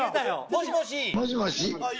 もしもし。